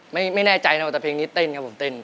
ไม่แน่ใจนะว่าแต่เพลงนี้เต้นครับผมเต้น